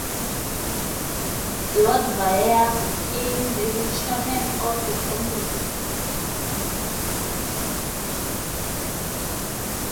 Lord Vaea became the Chairman of the Committee.